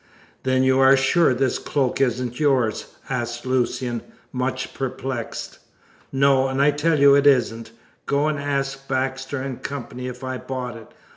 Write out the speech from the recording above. "Then you are sure this cloak isn't yours?" asked Lucian, much perplexed. "No! I tell you it isn't! Go and ask Baxter & Co. if I bought it.